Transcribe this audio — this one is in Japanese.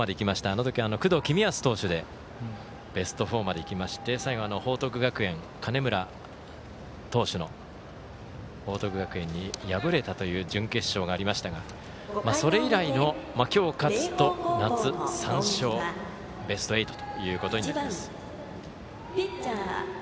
あのとき、工藤公康投手でベスト４までいきまして最後は報徳学園、金村投手に敗れたという準決勝がありましたがそれ以来の今日、勝つと夏３勝ベスト８ということになります。